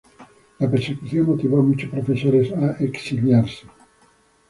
La persecución motivó a muchos profesores a exiliarse.